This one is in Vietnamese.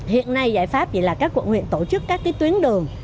hiện nay giải pháp gì là các quận huyện tổ chức các cái tuyến đường